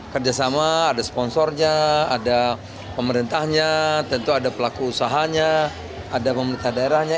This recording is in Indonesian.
kerjasama ada sponsornya ada pemerintahnya tentu ada pelaku usahanya ada pemerintah daerahnya